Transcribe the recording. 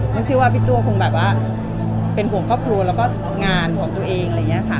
ไม่ใช่ว่าพี่ตัวคงแบบว่าเป็นห่วงครอบครัวแล้วก็งานห่วงตัวเองอะไรอย่างนี้ค่ะ